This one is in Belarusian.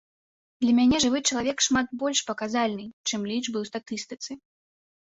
Для мяне жывы чалавек шмат больш паказальны, чым лічбы ў статыстыцы.